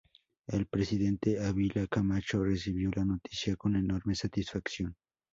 El Presidente Ávila Camacho recibió la noticia con enorme satisfacción.